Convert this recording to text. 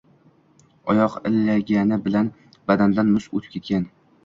Oyoq iligani bilan badandan muz o‘tib ketgan.